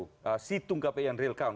hitung kpu yang real count